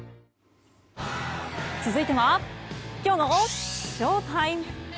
続いてはきょうのＳＨＯＴＩＭＥ！